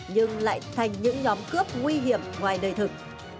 nhưng lại thành những nhóm cướp nguy hiểm ngoài đời thực